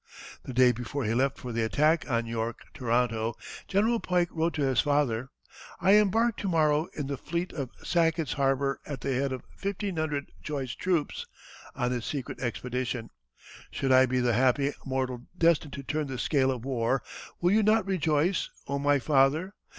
The day before he left for the attack on York (Toronto), General Pike wrote to his father: "I embark to morrow in the fleet at Sackett's Harbor at the head of 1,500 choice troops, on a secret expedition. Should I be the happy mortal destined to turn the scale of war, will you not rejoice, oh my father?